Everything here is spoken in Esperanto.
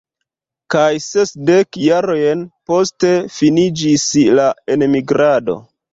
Kaj sesdek jarojn poste finiĝis la enmigrado.